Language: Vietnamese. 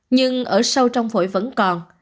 nhưng ở sâu trong phổi vẫn còn